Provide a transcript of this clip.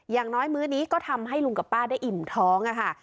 อย่างน้อยมื้อนี้ก็ทำให้ลุงกับป้าได้อิ่มท้องค่ะ